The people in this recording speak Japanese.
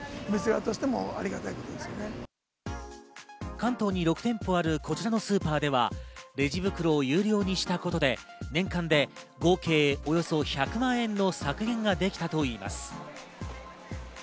関東に６店舗をあるこちらのスーパーではレジ袋を有料にしたことで、年間で合計およそ１００万円の削減ができたといいます。